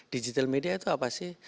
digital media itu apa sih